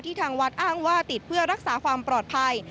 ทางวัดอ้างว่าติดเพื่อรักษาความปลอดภัย